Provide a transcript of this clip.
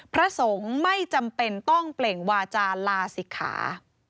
พระสงฆ์ไม่จำเป็นต้องเปล่งวาจาลาศิกขา